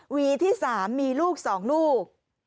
วีที่๓มีลูก๒ลูก